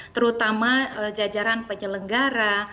terutama jajaran penyelenggara